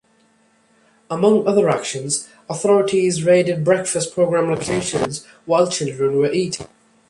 Among other actions, authorities raided breakfast program locations while children were eating.